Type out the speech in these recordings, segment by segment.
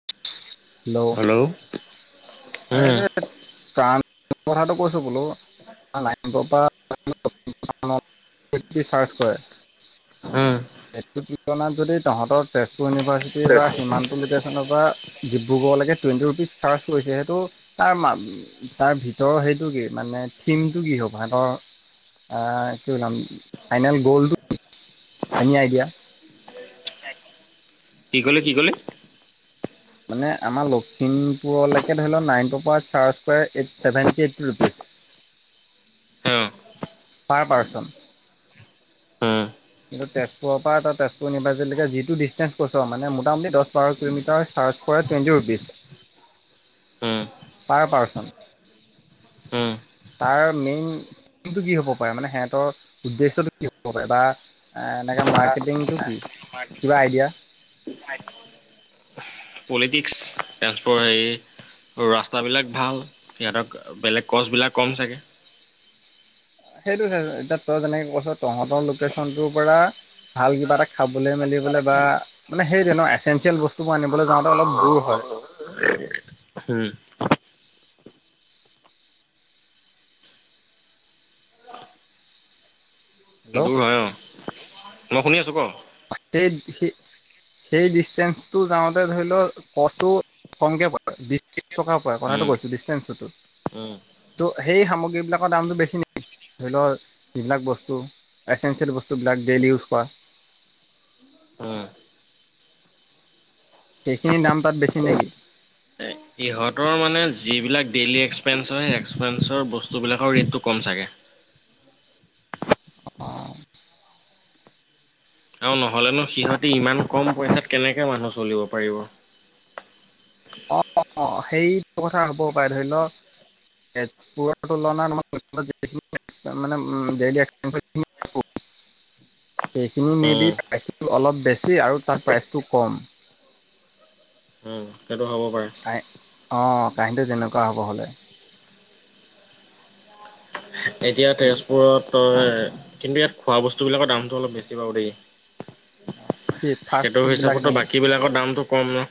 [inaudible] Hello, উম এইটো কান কথাটো কৈছোঁ বোলো। চাৰ্চ কৰে [unintelligible] উম। সেইটো তুলনাত যদি তহঁতৰ তেজপুৰ ইউনিভাৰ্চিটিৰ বা সীমান্ত লোকেশ্যনৰ পৰা ডিব্ৰুগড়লৈকে টুৱেণ্টি ৰুপিজ চাৰ্জ কৰিছে সেইটো তাৰ তাৰ ভিতৰৰ সেইটো কি মানে থিমটো কি হ'ব সেহঁতৰ? আহ কি বনাম ফাইনেল গ'লটো এনে আই দিয়া। কি ক'লে কি ক'লে? মানে আমাৰ লখিমপুৰলৈকে ধৰি ল নাৰায়নপুৰ পৰা চাৰ্জ লয় seventy eight rupees. Uh per person. Um কিন্ত তেজপুৰৰ পৰা এটা তেজপুৰ ইউনিভাৰ্চিটি লৈকে যিটো ডিষ্টেন্ঞ্চ কৈছোঁ মানে মোটামুটি দহ বাৰ কিলোমিটাৰ চাৰ্চ টুৱেণ্টি ৰুপিছ। উম পাৰ পাৰ্চন। উম তাৰ মেইনটো কি হ'ব পাৰে মানে সিহঁতৰ উদ্দেশ্যটো কি হ'ব পাৰে বা আহ এনেকে মাৰ্কেটিংটো কি? কিবা আইডিয়া [unintelligible] [unintelligible] পলিটিক্স ট্ৰেসফৰ হেৰি আৰু ৰাস্তাবিলাক ভাল সিহঁতক বেলেগ কছবিলাক কম চাগে। সেইটোহে এতিয়া তই যেনেকে কৈছ তহঁতৰ লোকেশ্যন টোৰ পৰা ভাল কিবা এটা খাবলৈ মেলিবলৈ বা মানে সেইটো ন এচেঞ্চিয়েল বস্তুবোৰ আনিবলৈ যাওঁতে অলপ দূৰ হয়। [unintelligible] হম। হেল্ল' দূৰ হয় অ মই শুনি আছোঁ ক? সেই স সেই ডিষ্টেঞ্চটো যাওঁতে ধৰি লওক কষ্টটো কমকে বাৰু বিশ ত্ৰিশ টকাৰ পৰে উম কথাটো কৈছো ডিষ্টেঞ্চটো। উম। ত' সেই সামগ্ৰী বিলাকৰ দামটো বেছি নি ধৰি লওক যিবিলাক বস্তু এচেঞ্চিয়েল বস্তুবিলাক ডেইলি ইউজ কৰা। উম সেইখিনিৰ দাম তাত বেছি নেকি? ইহঁতৰ মানে যিবিলাক ডেইলী এক্সপেঞ্চৰ সেই এক্সপেঞ্চৰ বস্তুবিলাকৰ ৰে'টটো কম চাগে। অ। অ নহলেনো সিহঁতে ইমান কম পইচাত কেনেকৈ মানুহ চলিব পাৰিব। অ অ সেইটো কথা হ'বও পাৰে ধৰি লওক [unintelligible] সেইখিনি মেবি উম প্ৰাইচটো অলপ বেছি আৰু তাত প্ৰাইচটো কম। উম সেইটো হ'ব পাৰে। অ কাহিনীটো তেনেকুৱা হ'ব হ'লে। এতিয়া তেজপুৰত তই আৰু ইয়াত খোৱা বস্তুবিলাকৰ দামটো অলপ বেছি বাৰু দেই। অ। সেইটো হিচাপতো বাকী বিলাকৰ দামতটো কম ন।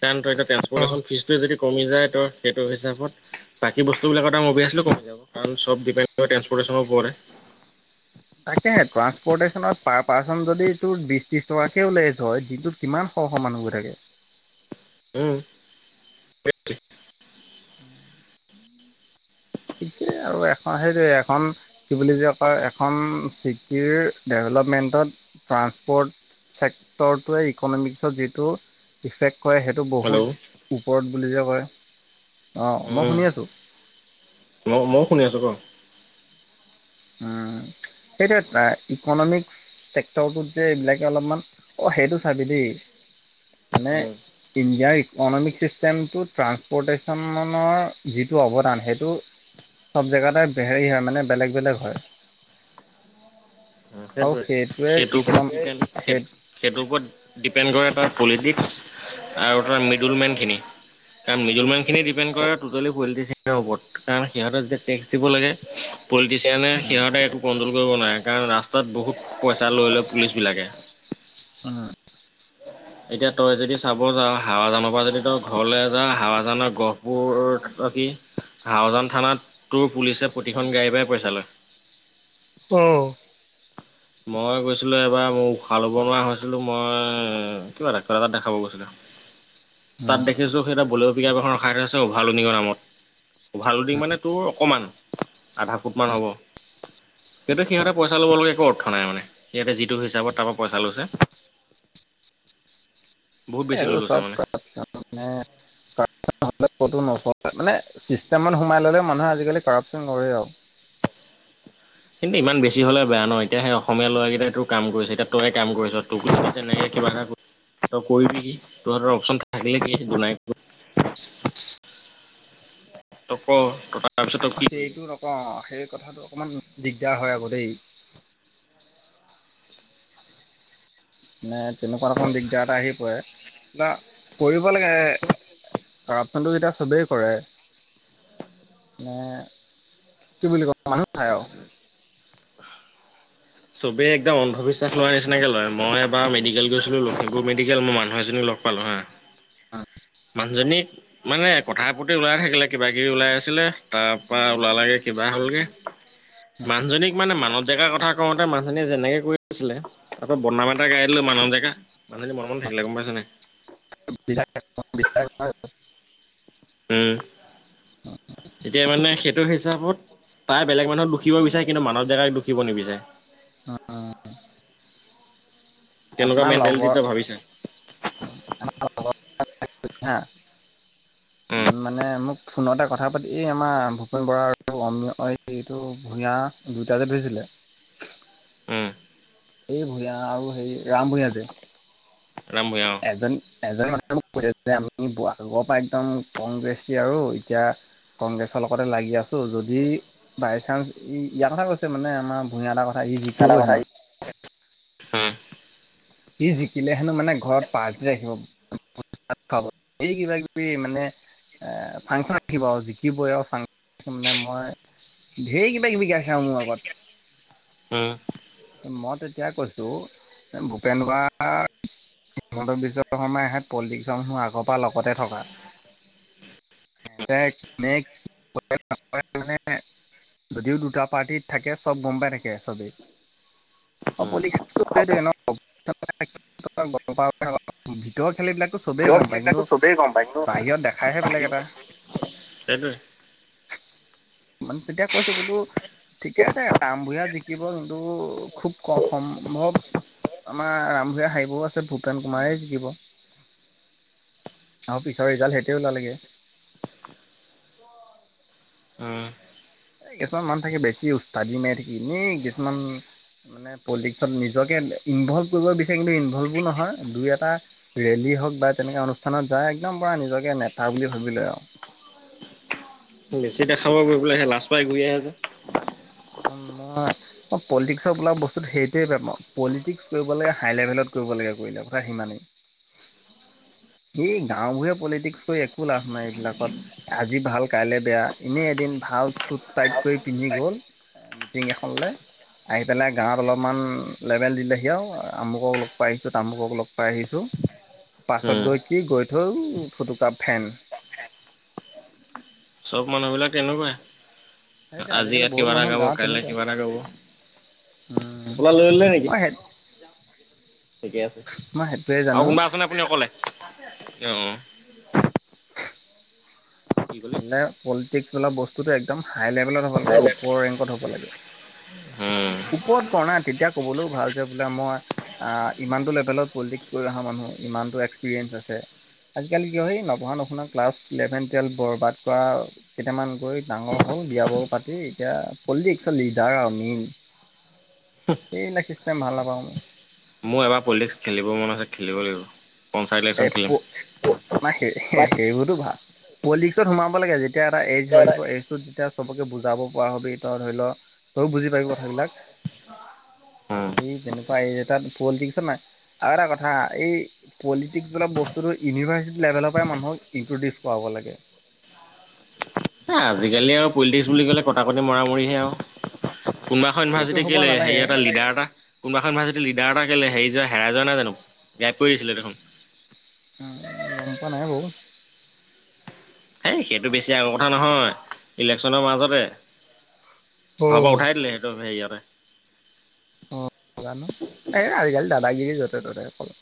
কাৰণ তই ট্ৰেন্ছপৰ্টেশ্যন ফিজটো যদি কমি যায় ত সেইটো হিচাপত বাকী বস্তু বিলাকৰ দাম অবিএছলি কমি যাব। কাৰণ চব ডিপেণ্ড কৰে ট্ৰৰ্টেশনৰ ওপৰত। তাকেহে ট্ৰা্সপৰ্টেশ্যনত পাৰ পাৰ্চন যদি এইটো বিশ ত্ৰিশ টকাকেও লেজ হয় যিটো। কিমান শ শ মানুহ গৈ থাকে। উম, ঠিকেই আৰু এখন সেইটোৱেই এখন, কি বুলি যে, কয়? এখন, চিটিৰ ডেভলপমেন্টত, ট্ৰান্সপ'ৰ্ট চেক্টৰটোৱে, ইকনমিক্সত যিটো ইফেক্ট কৰে। সেইটো, হেল্ল' বহুত ওপৰত বুলি যে কয়, অ'! মই শুনি আছোঁ। অ মই শুনি আছো ক? উম সেইটো ইকনমিক্স চেক্টৰটোত যে এইবিলাকে অলপমান অ সেইটো চাবি দেই মানে। ইণ্ডিয়াৰ ইকনমিক ছিষ্টেমটো, ট্ৰান্সপৰ্টেশ্যনৰ, যিটো অৱদান, সেইটো চব জেগাতেই হেৰি, হয়। মানে, বেলেগ বেলেগ হয়। আৰু সেইটোৱে! সেইটো ইকন ওপৰতে, সে সেই সেইটোৰ ওপৰত, ডিপেণ্ড কৰে তাৰ, পলিটিক্স আৰু তাৰ, মিডল মেন খিনি। কাৰণ, মিডল মেন খিনি ডিপেণ্ড কৰে। টোটেলি, পলিটিচিয়ান [unintelligible] কাৰণ সিহঁতে যেতিয়া, টেক্স দিব লাগে, পলিটিচিয়ানে, অ'। সিহঁতে একো কণ্ট্ৰল কৰিব নোৱাৰে। কাৰণ, ৰাস্তাত বহুত পইচা লৈ লয়, পুলিচ বিলাকে। উম! এতিয়া, তই যদি চাব যাওঁ! হাৱাজানৰ পৰা, যদি তই ঘৰলৈ যাওঁ, হাৱাজানৰ গ [unintelligible] অ'! কি? হাৱাজান থানাত তোৰ, পুলিচে প্ৰতিখন গাড়ীৰ পৰা পইচা লয়। অ'! মই গৈছিলোঁ এবাৰ। মোৰ উশাহ ল'ব নোৱাৰা হৈছিলোঁ। মই, কিবা এ, কিবা এটা দেখাব গৈছিলোঁ। [inaudible] তাত দেখিছোঁ, সেই তাত, বলেৰো পীকআপ ৰখাই থৈছে, অভাৰ লোডিং ৰ নামত। অভাৰলোডিং মানে, তোৰ অকণমান, আধা ফুটমান হ'ব। সেইটো, সিঁহতে, পইচা ল'ব লাগে ক'ত? নাই মানে, সিহঁতে যিটো হিচাপত, তাৰপা পইচা লৈছে বহুত বেছি লৈ এইবোৰ লৈছে চব মানে। কথা মানে ক'তো নচলে। মানে, চিষ্টেমত সোমাই ল'লে, মানুহে আজিকালি কাৰোপচন ধৰে আৰু। কিন্তু, ইমান বেছি হ'লে বেয়া ন'! এতিয়া, সেই অসমীয়া ল'ৰাকেইটাই তোৰ কাম কৰিছে। এতিয়া তই কাম কৰিছ। ত' তেনেকে, কিবা এটা তই কৰিবি? তোৰ হাতত অপচন থাকিলে, কি দুনাই তই ক'? [unintelligible] কি কৰিবি? সেইটো নকওঁ। সেই, কথাটো অকমান দিগদাৰ হয়, আকৌ দেই। এ, তেনেকুৱাত অকন দিগদাৰ এটা আহি পৰে। বা কৰিব লাগে। কাৰোপচনটো যেতিয়া, চবেই কৰে। মানে, কি বুলি কয়! মানুহ নাই আৰু। চবেই একদম অন্ধবিশ্বাস লোৱা নিচিনাকে লয়। মই এবাৰ মেডিকেল গৈছিলোঁ, লখিপুৰ মেডিকেল। মই মানুহ এজনীক লগ পালোঁ হা। [inaudible] মানুহজনী মানে, কথা প্ৰতি ওলাই থাকিলে, কিবা কিবি ওলাই আছিলে। তাৰপৰা ওলালেগে, কিবা হ'লগে। মানুজনীক মানে, মানুহ জেগাৰ কথা কওঁতে, মানুহজনীয়ে যেনেকে কৰি দিছিলে। তাৰপা, বদনাম এটা গাই দিলে, মানুহবিলাকে। মানুহজনী মনে মনে থাকিলে, গম পাইছ নাই? [unintelligible] উম! এতিয়া মানে, সেইটো হিচাপত তাই বেলেগ মানুহক দুখিব বিচাৰে। কিন্তু, মানব ডেকাক দুুখিব নিবিচাৰে। অ'! [unintelligible] তেনেকুৱা আমাৰ মেণ্টেলিটি লগৰ, তই ভাবি চা আমাৰ লগৰ [unintelligible] উম মানে, মোক ফোনতে কথা পাতি, এ, আমাৰ ভূপেন বৰা আৰু অমিয়, এই এইটো, ভূঞা দুয়োটাকে ধৰিছিলে। উম! এই, ভূঞা আৰু হেৰি, ৰাম ভূঞা যে। ৰাম ভূঞা, অ'! এজন এজনো কয় যে আমি আগৰ পৰা একদম কংগ্ৰেছি আৰু এতিয়া কংগ্ৰেছৰ লগতে লাগি আছো যদি বাইচান্স ই ইয়াৰ কথা কৈছে মানে আমাৰ ভূঞা দা কথা আজি জিকিব হেনো উম সি জিকিলে, হেনোঁ মানে, ঘৰত পাৰ্টি ৰাখিব। [unintelligible] ধেই কিবা কিবি মানে, ফাংচন ৰাখিব আৰু জিকিবই আৰু। ফাংচন ৰাখি মানে, মই ধেই কিবা কিবি গাইছে আও মোৰ আগত উম মই তেতিয়া কৈছো এ ভূপেন বৰা হিমন্ত বিশ্ব শৰ্মাই হে পলিটিক্সসমূহ আগৰ পৰা লগতে থকা কোনে কি কাম কৰে মানে যদিও দুটা পাৰ্টিত থাকে চব গম পাই থাকে চবেই অ উম পলিক্সটো সেইটোৱে ন ভিতৰৰ খালি এইবিলাক টো চবেই ভিতৰৰ গম পায় কিন্তু খিনিকো চবেই গম পায় কিন্তু বাহিৰত দেখাইহে বেলেগ বাহিৰত এটা সেইটোৱে মানে তেতিয়া কৈছো বোলো ঠিকে আছে ৰামভূঞা জিকিব যোনটো খুব ক সম্ভৱ আমাৰ ৰামভূঞা হাৰিবও আছে ভূপেন কুমাৰে জিকিব আৰু পিছৰ ৰিজাল্ট সেটোয়ে ওলালেগে উম এ কিছুমান মানুহ থাকে বেছি উষ্টাদি মাৰি থাকি এনেই কিছুমান মানে পলিটিক্সত নিজকে ইনভল্ভ কৰিব বিচাৰে কিন্তু ইনভল্ভো নহয় দুই এটা ৰেলী হওক বা তেনেকে অনুষ্ঠানত যাই একদম পুৰা নিজকে নেতা বুলি ভাবি লৈ আও বেছি দেখাব গৈ পেলাই হে লাজ পাই ঘূৰি আহে যে একদম মই মই পলিটিক্সৰ বোলা বস্তুটো সেইটোৱেই বেয়া পাও পলিটিক্স কৰিব লাগে হাই লেভেলত কৰিব লাগে কৰিলে কথা সিমানেই এই গাওবোৰে পলিটিক্স কৰি একো লাভ নাই এইবিলাকত আজি ভাল কাইলে বেয়া এনেই এদিন ভাল চুট টাইট কৰি পিন্ধি গল এ মিটিং এখনলে আহি পেলাই গাঁৱত অলপমান লেভেল দিলেহি আও আমুকক লগ পাই আহিছো তামুকক লগ পাই আহিছো পাছত উম গৈ কি গৈ থৈ ও ফুটুকা ফেন চব মানুহ বিলাক তেনেকোৱাই সেইটোৱে আজি আজিকালি ইয়াত বহুত কিবা এটা মানুহ গাব গাঁৱত কাইলে তেনেকুৱাই কিবা এটা গাব উম টোপোলা লৈ ললে নেকি মই সেই ঠিকে আছে মই সেইটোৱে আও জানো কোনোবা আছে নে আপুনি অক'লে আছে আছে অ অ উ কি ক'লে? হলে পলিটিক্স বোলা বস্তুতো একদম হাই লেভেলত হ'ব লাগে ওপৰ ৰেংকত হ'ব লাগে হু ওপৰত কৰ না তেতিয়া ক'বলৈও ভাল যে বোলে মই আহ ইমানটো লেভেলত পলিটিক্স কৰি অহা মানুহ ইমানটো এক্সপিৰিয়েঞ্চ আছে আজিকালি কি হয় সেই নপঢ়া নুশুনা ক্লাছ ইলেভেন টুৱেল্ভ বৰবাদ কৰা কেইটামান গৈ ডাঙৰ হ'ল বিয়া বাৰু পাতি এতিয়া পলিটিক্স লিডাৰ আৰু মেইন সেইবিলাক চিষ্টেম ভাল নাপাও মই মোৰ এবাৰ পলিটিক্স খেলিব মন আছে খেলিব লাগিব পঞ্চায়ত ইলেকশ্যন এই খেলিম। পো সে সেইবোৰতো ভাল পলিটিক্সত সোমাব লাগে যেতিয়া এটা এজ হৈ আহিব এইজটোত যেতিয়া চবকে বুজাব পৰা হবি ত ধৰি ল তয়ো বুজি পাবি কথাবিলাক উম, এই তেনেকোৱা এটাত পলিটিক্সে নাই আৰু এটা কথা এই পলি টিক্স বোলা বস্তুটো ইউনিভাৰ্চিটি লেভেলৰ পৰাই মানুহক ইণ্ট্ৰডিউচ কৰাব লাগে এ আজিকালি আৰু পলিটিক্স বুলি ক'লে কটাকটি মৰা মৰিহে আও। কোনোবাখন সেইটো ইউনিভাৰ্চিটি হ'ব কেলে হে নালাগে এটা লিডাৰ এটা। কোনোবা এখন ইউনিভাৰ্চিটিৰ লিডাৰ এটা কেলে হেৰি যোৱা হেৰাই যোৱা নহয় জানো গাইফ কৰি দিছিলে দেখোন। গম পোৱা নাই বাৰু হেই সেইটো বেছি আগৰ কথা নহয় ইলেকশ্যনৰ মাজতে। অ ঘৰ পা উঠাই দিলে সেইটো সেয়াৰে অ জানো এই আজিকালি দাদাগিৰি য'তে ত'তে কলো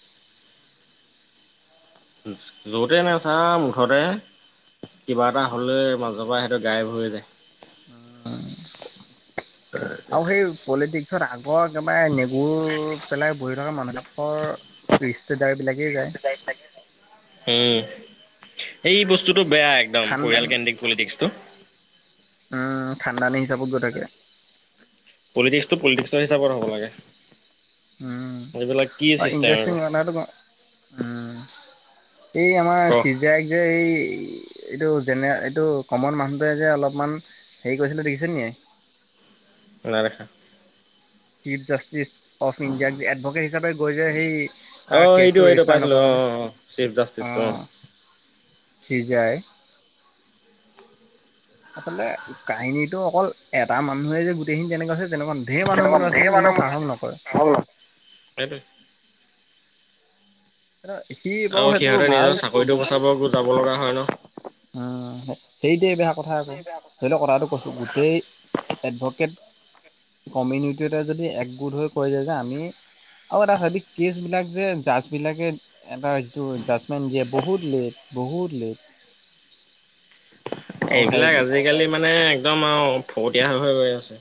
যৌতে নাই চা মুঠতে কিবা এটা হলে মাজৰ পৰা সিহটো গাইভ হৈ যায়। আৰু সেই পলিটিক। তাৰপিছত আগৰ একেবাৰে নেগুৰ পেলাই বহি থকা মানুহবিলাকৰ, ৰিস্তদাৰ বিলাকেই যায়। উম এই বস্তুতটো বেয়া একদম পৰিয়াল খানদানী কেন্দ্ৰিক পলিটিক্স টো, উম খান্দানি হিচাপত গৈ থাকে। পলিটিক্সটো পলিটিক্স হিচাপ হব লাগে। উম, এইবিলাক কি চিষ্টেম আৰু ইন্টাৰেষ্টিং [unintelligible] উম এই ক আমাৰ চি, যেক যে এই এইটো যেনে এইটো কমন মানুহটোৱে যে অলপমান, হেৰি কৰিছিলো দেখিছে নি? নাই দেখা। চিফ জাষ্টিচ অফ ইণ্ডিয়াক যে এডভকেট হিচাপে গৈ যে সেই, অ তাৰ সেইটো কেছটো সেইটো ৰেজিষ্টাৰ পাইছিলো নকৰা অ কাৰণে অ অ চিফ জাষ্টিচটো অ, চি যায়, আচলতে কাহিনীতটো অকল এটা মানুহে যে গোটেইখিনি যেনেকা আছে তেনেকুৱা, ধেৰ মানুহ তেনেকুৱা মানুহ আছে ধেৰ কিন্তু কোনো মানে সাহস নকৰে। সেইটোৱে। সি, বাৰু আৰু সেইটো সিহঁতে ভাল নিজৰ উম চাকৰিতটো বচাব যাব লগা হয় ন। উম সেইটোৱে বেয়া কথা আকৌ ধৰি লওক কথাটো কৈছো গোটেই, এডভকেট কমিউনিটি যদি একগোট হৈ কৈ যায় যে আমি। আৰু এটা হেবিত কেচ বিলাক যে জাজ বিলাকে। এটা যিটো জাজমেন্ট দিয়ে বহুত লেট বহুত লেট। আৰু সেই এইবিলাক আজিকালি মানে একদম আৰু ফকটীয়া হৈ হৈ গৈ আছে।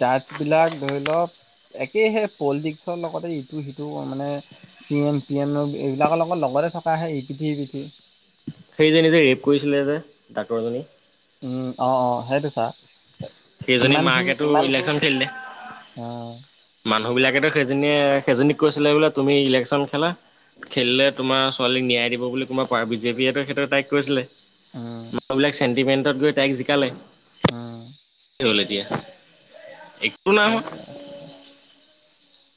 জাজ বিলাক ধৰি লওক। একেহে পলিটিক্সৰ লগতে ইটো সিটো মানে। চি এম পি এম এইবিলাকৰ লগত লগৰে থকা সেই ই পিঠি সি পিঠি, সেইজনী যে ৰেপ কৰিছিলে যে ডাক্তৰ জনী। উম অ অ সেইটো চা। সেইজনী সিমানখিনি মাকেতো ইলেকচন খেলিলে। অ মানুহ বিলাকেতো সেইজনীয়ে সেইজনীক কৈছিলে বোলে তুমি ইলেকচন খেলা। খেলিলে তোমাৰ ছোৱালীক ন্যায় দিব বুলি কোনোবা পাৰ বিজেপি এতায়ে সেই তাইক কৈছিলে। উম মানুহবিলাক চেন্টিমেন্টত গৈ তাইক জিকালে। উম। কি হল এতিয়া। একো নাই হোৱা সেইটোৱে।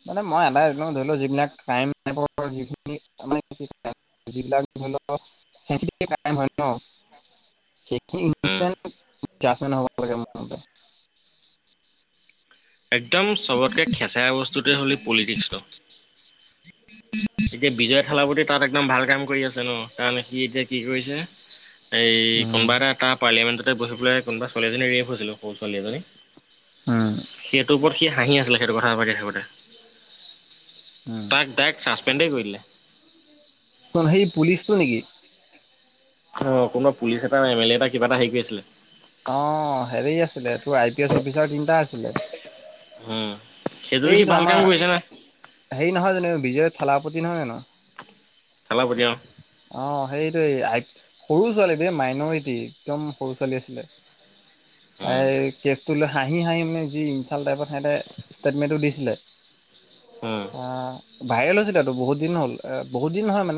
মানে মই এটাই এক ধৰি লও যিবিলাক কাইম [unintelligible] যিবিলাক ধৰি ল চেনচিটিভ ক্ৰাইম হয় ন। সেইখিনি উম [unintelligible] হ'ব লাগে মোৰ মতে। একদম চবতকে খেঁচেৰা বস্তুটোৱে হ'ল পলিটিক্সটো। এতিয়া বিজয় থালাপতি তাত একদম ভাল কাম কৰি আছে ন কাৰণ সি এতিয়া কি কৰিছে- এই উম। কোনোবা এটা তাৰ পাৰ্লিয়ামেণ্টতে বহি পেলাই কোনোবা ছোৱালীজনী ৰেপ হৈছিলো সৰু ছোৱালী এজনী, উম, সেইটোৰ ওপৰত সি হাঁহি আছিলে সেইটো কথা কৈ থাকোতে। উম, তাইক ছাছপেণ্ডেই কৰি দিলে। ত'সেই পুলিচটো নেকি? অ কোনোবা পুলিচ এটা এম এলে এটা কিবা এটা হেৰি কৰি আছিলে। অ, হেৰি আছিলে তোৰ আই পি এছ অফিচাৰ তিনিটা আছিলে। উম, সেইটোতো সি এইটো ভাল কাম আমাৰ কৰিছে না। হেৰি নহয় জানো বিজয় থালাপতি নহয় জানো? থালাপতি অহ। অ, সেইটোৱে সৰু ছোৱালী বে মাইনৰিটি একদম সৰু ছোৱালী আছিলে। [inaudible] উম, তাইৰ কেচটো লে হাঁহি -হাঁহি মানে যি ইনচাল টাইপত সিহঁতে ষ্টেটমেন্টটো দিছিলে। উম। আহ, ভাইৰেল হৈছেতো বহুত দিন হ'ল এ বহুত দিন নহয় মানে